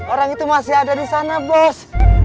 orang itu masih ada disana bos